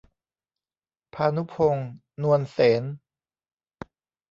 ภานุพงษ์ นวลเสน